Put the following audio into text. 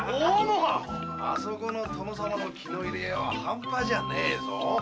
あそこの殿様の気の入れようはハンパじゃねぇぞ。